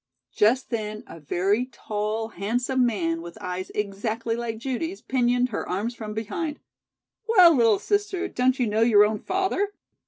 Just then a very tall, handsome man with eyes exactly like Judy's pinioned her arms from behind. "Well, little sister, don't you know your own father?"